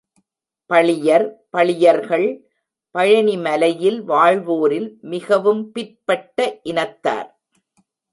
பளியர் பளியர்கள், பழனிமலையில் வாழ்வோரில் மிகவும் பிற்பட்ட இனத்தார்.